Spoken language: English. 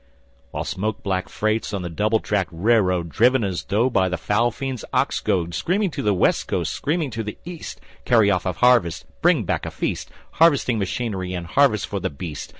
# WHILE SMOKE BLACK FREIGHTS ON THE DOUBLE TRACKED RAILROAD, DRIVEN AS THOUGH BY THE FOUL FIEND'S OX GOAD, SCREAMING TO THE WEST COAST, SCREAMING TO THE EAST, CARRY OFF A HARVEST, BRING BACK A FEAST, HARVESTING MACHINERY AND HARNESS FOR THE BEAST.